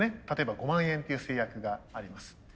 例えば５万円っていう制約があります。